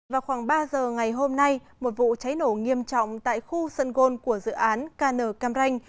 vào khoảng ba giờ ngày hôm nay một vụ cháy nổ nghiêm trọng tại khu sân gôn của dự án kn cam ranh